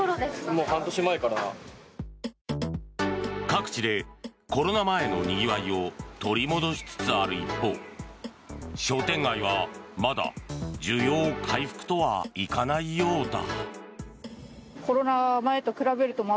各地でコロナ前のにぎわいを取り戻しつつある一方商店街は、まだ需要回復とはいかないようだ。